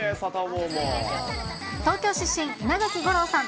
東京出身、稲垣吾郎さん。